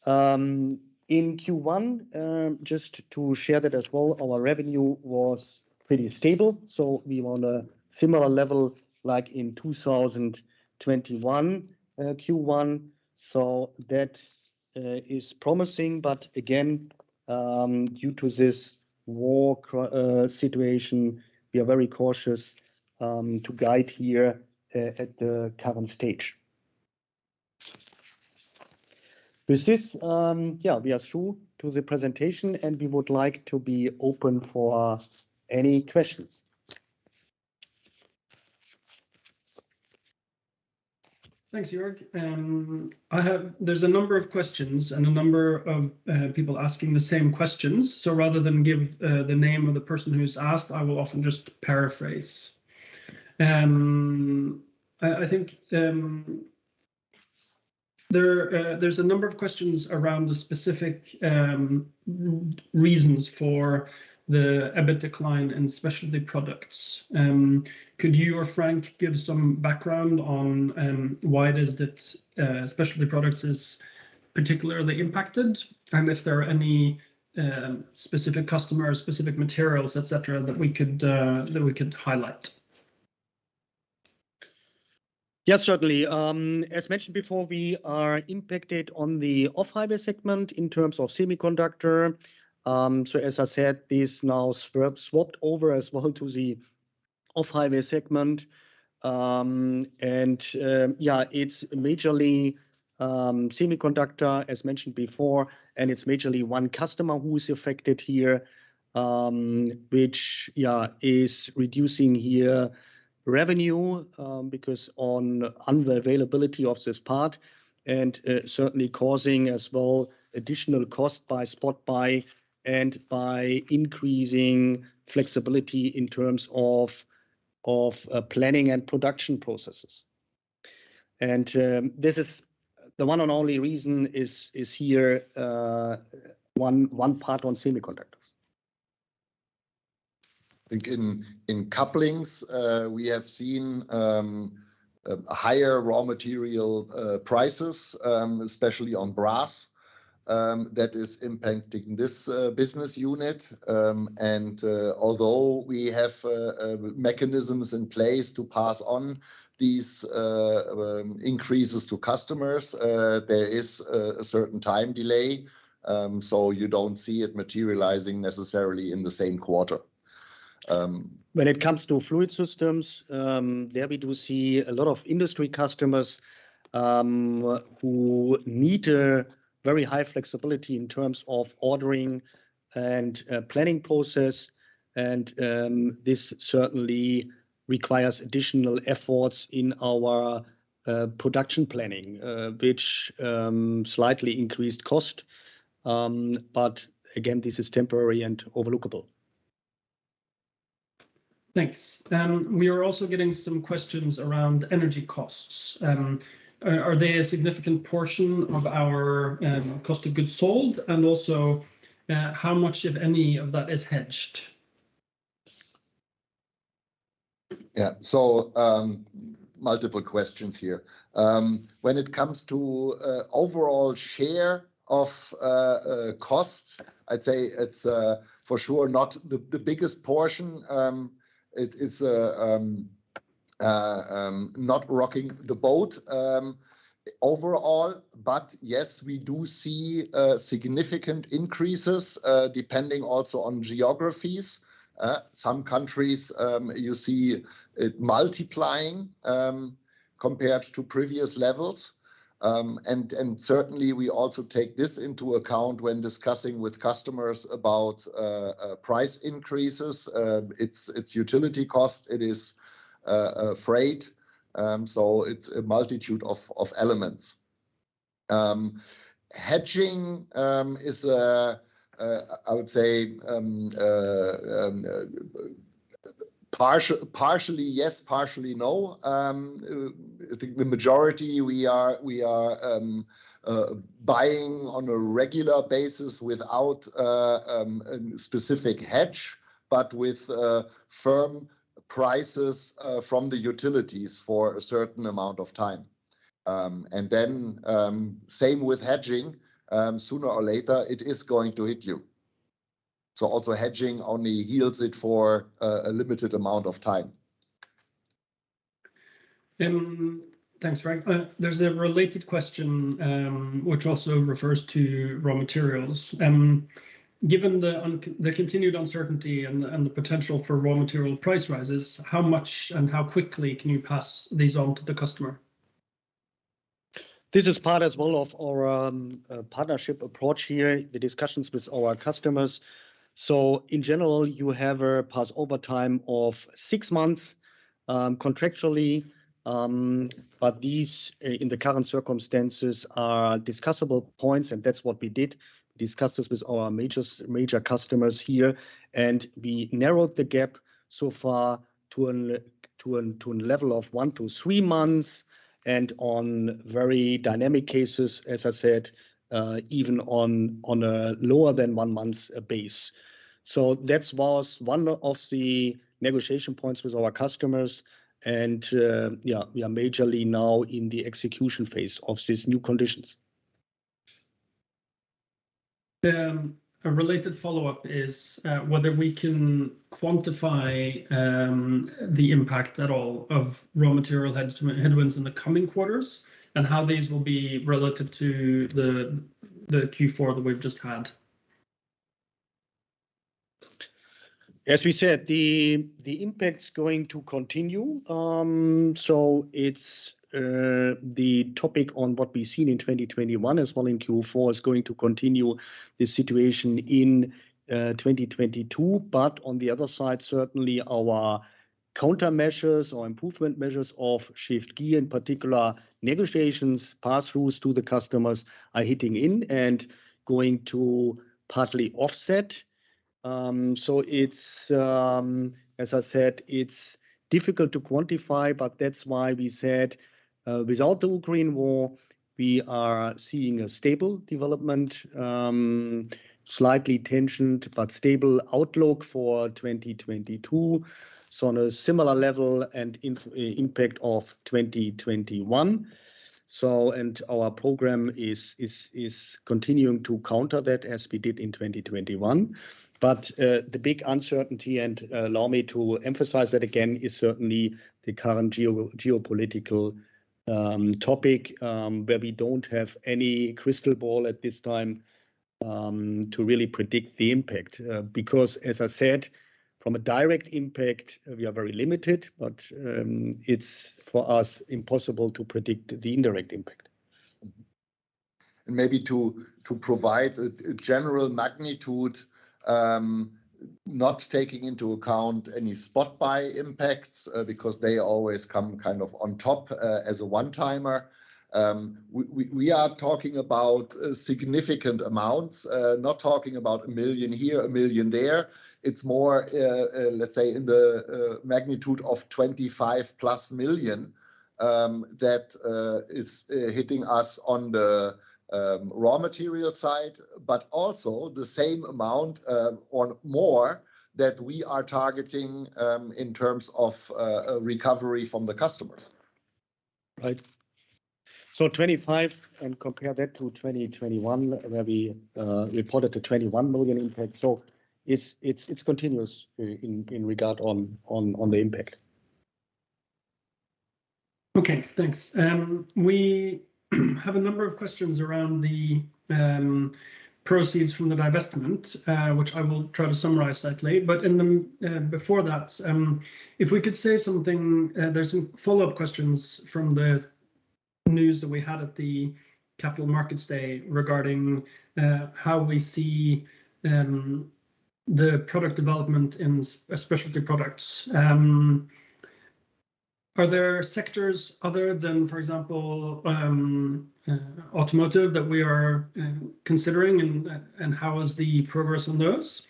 In Q1, just to share that as well, our revenue was pretty stable, so we were on a similar level like in 2021, Q1. That is promising, but again, due to this war situation, we are very cautious to guide here at the current stage. With this, we are through to the presentation, and we would like to be open for any questions. Thanks, Joerg. I have a number of questions and a number of people asking the same questions. So rather than give the name of the person who's asked, I will often just paraphrase. I think there's a number of questions around the specific reasons for the EBIT decline in Specialty Products. Could you or Frank give some background on why it is that Specialty Products is particularly impacted, and if there are any specific customers, specific materials, etc., that we could highlight? Yeah, certainly. As mentioned before, we are impacted in the Off-Highway segment in terms of semiconductor. As I said, this now swapped over as well to the Off-Highway segment. It's majorly semiconductor, as mentioned before, and it's majorly one customer who is affected here, which is reducing our revenue because of unavailability of this part and certainly causing as well additional cost by spot buy and by increasing flexibility in terms of planning and production processes. This is the one and only reason is here one part on semiconductors. I think in Couplings we have seen higher raw material prices especially on brass that is impacting this business unit. Although we have mechanisms in place to pass on these increases to customers there is a certain time delay so you don't see it materializing necessarily in the same quarter. When it comes to Fluid Systems, there we do see a lot of industry customers who need a very high flexibility in terms of ordering and planning process, and this certainly requires additional efforts in our production planning, which slightly increased cost. But again, this is temporary and overlookable. Thanks. We are also getting some questions around energy costs. Are they a significant portion of our cost of goods sold? Also, how much, if any, of that is hedged? Yeah. Multiple questions here. When it comes to overall share of cost, I'd say it's for sure not the biggest portion. It is not rocking the boat overall. Yes, we do see significant increases depending also on geographies. Some countries, you see it multiplying compared to previous levels. Certainly we also take this into account when discussing with customers about price increases. It's utility cost, it is freight, so it's a multitude of elements. Hedging is, I would say, partially yes, partially no. The majority we are buying on a regular basis without a specific hedge, but with firm prices from the utilities for a certain amount of time. Same with hedging. Sooner or later, it is going to hit you. Also hedging only yields it for a limited amount of time. Thanks, Frank. There's a related question, which also refers to raw materials. Given the continued uncertainty and the potential for raw material price rises, how much and how quickly can you pass these on to the customer? This is part as well of our partnership approach here, the discussions with our customers. In general, you have a pass overtime time of six months contractually. These in the current circumstances are discussable points, and that's what we did, discussed this with our major customers here. We narrowed the gap so far to a level of one to three months, and on very dynamic cases, as I said, even on a lower than one month's base. That was one of the negotiation points with our customers and, yeah, we are majorly now in the execution phase of these new conditions. A related follow-up is whether we can quantify the impact at all of raw material headwinds in the coming quarters and how these will be relative to the Q4 that we've just had. As we said, the impact's going to continue. It's the topic on what we've seen in 2021 as well in Q4 is going to continue the situation in 2022. On the other side, certainly our countermeasures or improvement measures of Shift Gear, in particular negotiations, pass through to the customers are hitting in and going to partly offset. It's, as I said, it's difficult to quantify, but that's why we said, without the Ukraine war, we are seeing a stable development, slightly tensioned but stable outlook for 2022, so on a similar level and impact of 2021. And our program is continuing to counter that as we did in 2021. The big uncertainty, and allow me to emphasize that again, is certainly the current geopolitical topic, where we don't have any crystal ball at this time to really predict the impact. As I said, from a direct impact, we are very limited, but it's for us impossible to predict the indirect impact. Maybe to provide a general magnitude, not taking into account any spot buy impacts, because they always come kind of on top, as a one-timer. We are talking about significant amounts, not talking about 1 million here, 1 million there. It's more, let's say in the magnitude of 25+ million, that is hitting us on the raw material side, but also the same amount, or more that we are targeting, in terms of a recovery from the customers. Right. 25 and compare that to 2021, where we reported a 21 million impact. It's continuous in regard on the impact. Okay, thanks. We have a number of questions around the proceeds from the divestment, which I will try to summarize slightly. Before that, if we could say something, there's some follow-up questions from the news that we had at the Capital Markets Day regarding how we see the product development in Specialty Products. Are there sectors other than, for example, automotive that we are considering and how is the progress on those?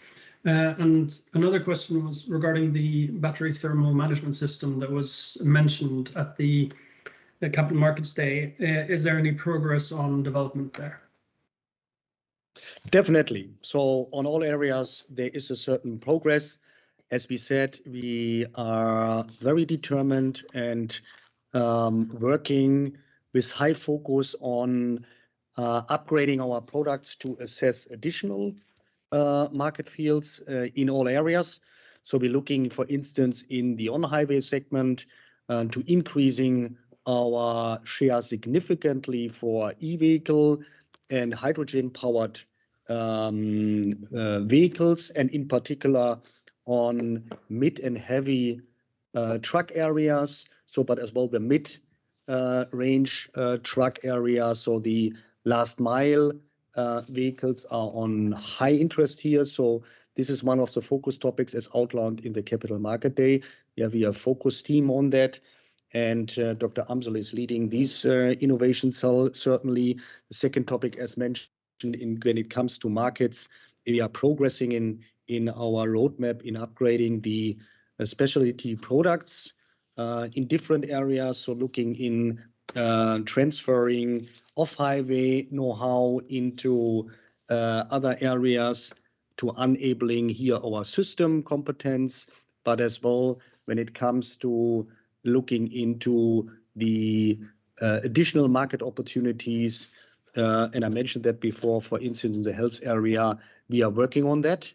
And another question was regarding the Battery Thermal Management System that was mentioned at the Capital Markets Day. Is there any progress on development there? Definitely. On all areas, there is a certain progress. As we said, we are very determined and working with high focus on upgrading our products to access additional market fields in all areas. We're looking, for instance, in the On-Highway segment to increasing our share significantly for e-vehicle and hydrogen-powered vehicles and in particular on mid and heavy truck areas. But as well the mid-range truck area. The last mile vehicles are of high interest here. This is one of the focus topics as outlined in the Capital Markets Day. We have a focus team on that, and Dr. Amsel is leading these innovations. Certainly the second topic, as mentioned, when it comes to markets, we are progressing in our roadmap in upgrading the Specialty Products in different areas. Looking into transferring Off-Highway knowhow into other areas to enabling here our system competence, but as well when it comes to looking into the additional market opportunities, and I mentioned that before, for instance, in the health area, we are working on that.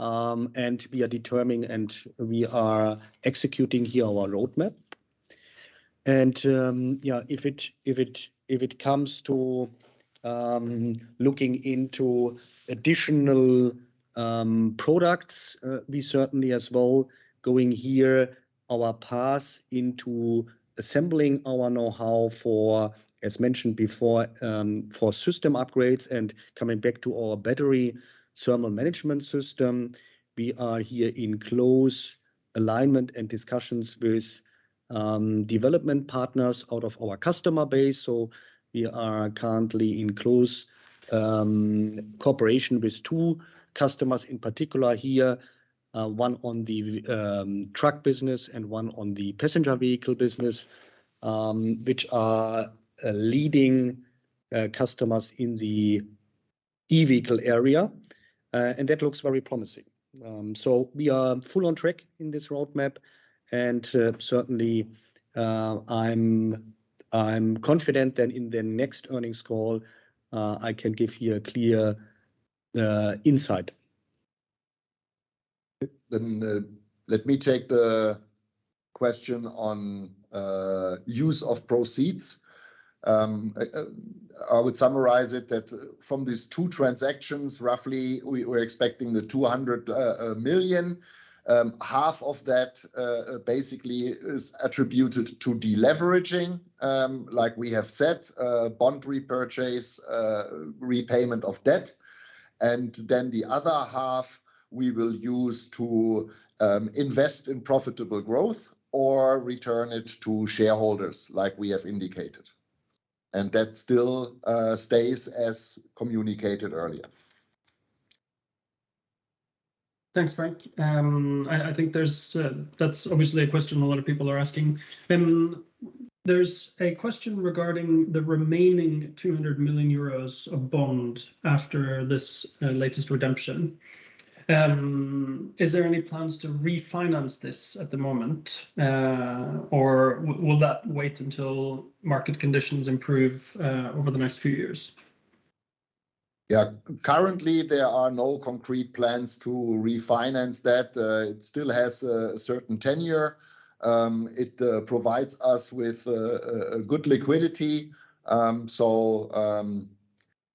We are determining and we are executing here our roadmap. If it comes to looking into additional products, we certainly as well going here our path into assembling our knowhow for, as mentioned before, for system upgrades and coming back to our Battery Thermal Management System. We are here in close alignment and discussions with development partners out of our customer base. We are currently in close cooperation with two customers in particular here, one on the truck business and one on the passenger vehicle business, which are leading customers in the e-vehicle area. That looks very promising. We are fully on track in this roadmap, and certainly I'm confident that in the next earnings call I can give you a clear insight. Let me take the question on use of proceeds. I would summarize it that from these two transactions, roughly we're expecting 200 million. Half of that basically is attributed to deleveraging, like we have said, bond repurchase, repayment of debt. The other half we will use to invest in profitable growth or return it to shareholders like we have indicated. That still stays as communicated earlier. Thanks, Frank. I think that's obviously a question a lot of people are asking. There's a question regarding the remaining 200 million euros of bond after this latest redemption. Is there any plans to refinance this at the moment, or will that wait until market conditions improve over the next few years? Yeah. Currently, there are no concrete plans to refinance that. It still has a certain tenure. It provides us with a good liquidity.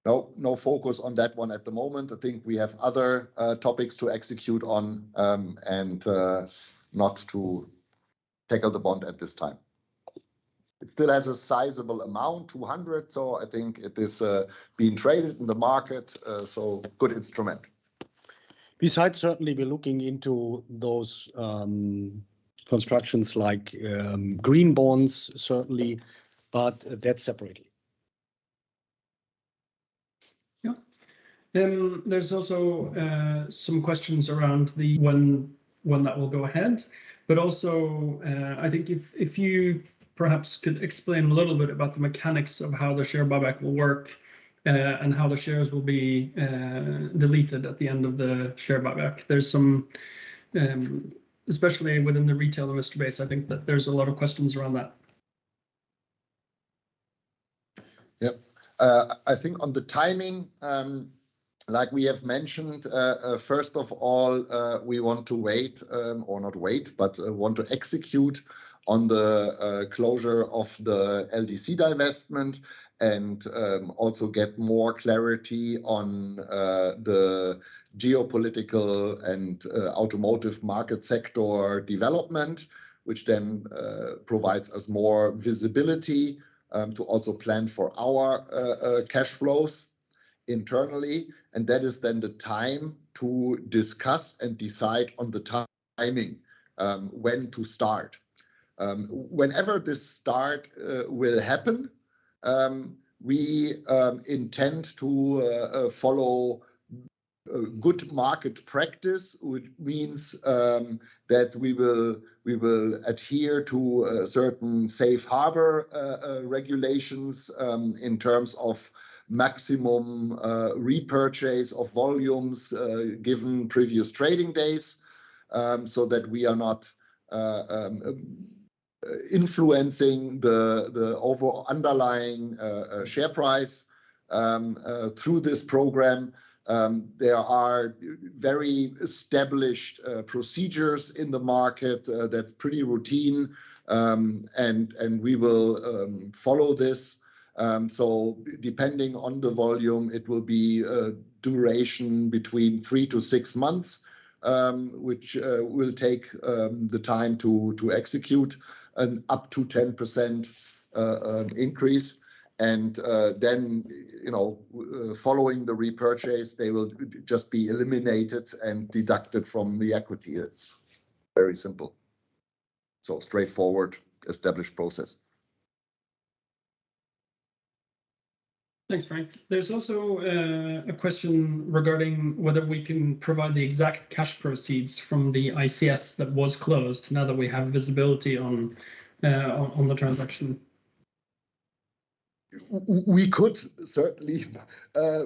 No focus on that one at the moment. I think we have other topics to execute on, and not to take out the bond at this time. It still has a sizable amount, 200, so I think it is being traded in the market, so good instrument. Besides, certainly we're looking into those constructions like green bonds, certainly, but that separately. Yeah, there's also some questions around the one that will go ahead. Also, I think if you perhaps could explain a little bit about the mechanics of how the share buyback will work, and how the shares will be deleted at the end of the share buyback. There's some, especially within the retail investor base, I think that there's a lot of questions around that. Yep. I think on the timing, like we have mentioned, first of all, we want to wait, or not wait, but want to execute on the closure of the LDC divestment and also get more clarity on the geopolitical and automotive market sector development, which then provides us more visibility to also plan for our cash flows internally. That is then the time to discuss and decide on the timing when to start. Whenever this starts, it will happen, we intend to follow good market practice, which means that we will adhere to certain safe harbor regulations in terms of maximum repurchase of volumes given previous trading days, so that we are not influencing the underlying share price through this program. There are very established procedures in the market that are pretty routine. We will follow this. Depending on the volume, it will be a duration between three to six months, which will take the time to execute up to 10% increase. Then, you know, following the repurchase, they will just be eliminated and deducted from the equity. It's very simple. Straightforward, established process. Thanks, Frank. There's also a question regarding whether we can provide the exact cash proceeds from the ICS that was closed now that we have visibility on the transaction. We could certainly,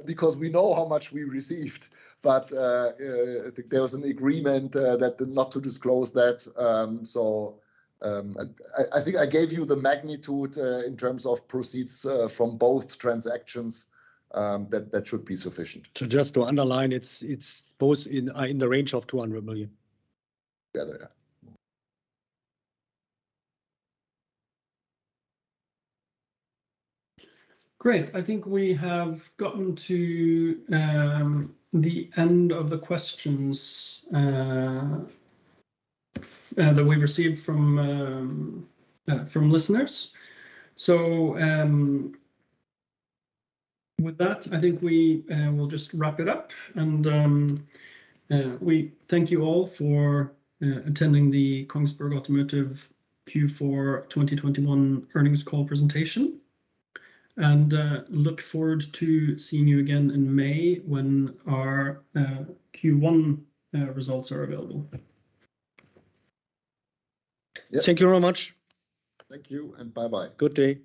because we know how much we received, but there was an agreement that not to disclose that. So, I think I gave you the magnitude in terms of proceeds from both transactions, that should be sufficient. Just to underline, it's both in the range of 200 million. Yeah. Yeah, yeah. Great. I think we have gotten to the end of the questions that we received from listeners. With that, I think we will just wrap it up. We thank you all for attending the Kongsberg Automotive Q4 2021 Earnings Call presentation, and look forward to seeing you again in May when our Q1 results are available. Yeah. Thank you very much. Thank you, and bye-bye. Good day.